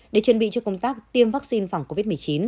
để chuẩn bị cho công tác tiêm vaccine phòng covid một mươi chín